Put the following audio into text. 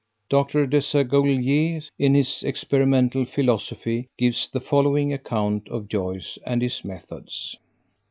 Dr. Desaguliers, in his Experimental Philosophy, gives the following account of Joyce and his methods.